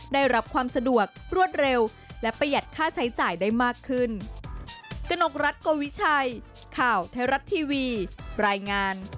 ได้รับความสะดวกรวดเร็วและประหยัดค่าใช้จ่ายได้มากขึ้น